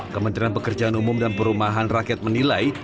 kementerian pekerjaan umum dan perumahan rakyat menilai